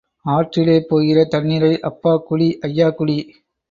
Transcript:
ஆற்றிலே போகிற தண்ணீரை அப்பா குடி, ஐயா குடி.